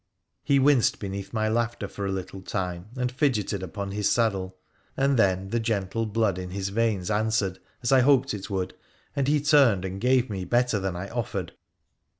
He winced beneath my laughter for a little time, and fidgeted upon his saddle, and then the gentle blood in his veins answered, as I hoped it would, and he turned and gave me better than I offered.